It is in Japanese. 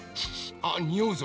あっにおうぞ！